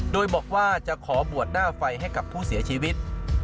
โดยบอกว่าจะขอบวชหน้าไฟให้กับผู้เสียชีวิต